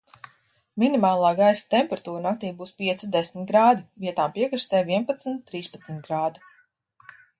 Minimālā gaisa temperatūra naktī būs pieci desmit grādi, vietām piekrastē vienpadsmit trīspadsmit grādu.